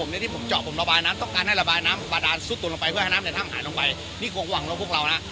นี้คือความหวังของพวกเรานะ